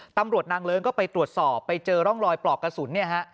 ตำรวจนางเลิ้งก็ไปตรวจสอบไปเจอร่องรอยปลอกกระสุนเนี่ยฮะ